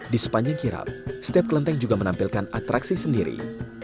di sepanjang kirap setiap kelenteng juga menampilkan atraksi sendiri